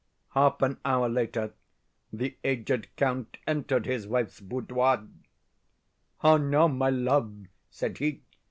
"Half an hour later the aged Count entered his wife's boudoir. "'How now, my love?' said he.